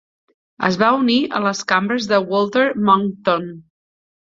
Es va unir a les cambres de Walter Monckton.